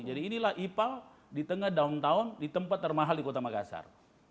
jadi inilah ipal di tengah tahun tahun di tempat termahal di kota makassar